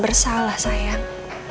perasa bersalah sayang